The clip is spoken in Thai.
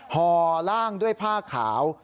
ห่อล่างด้วยผ้าขาว